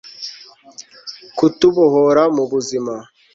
kutubohora mubuzima